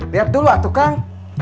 lihat dulu atukang